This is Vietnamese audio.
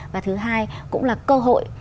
và thứ hai cũng là cơ hội